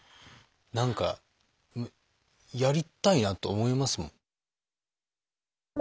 何かやりたいなと思いますもん。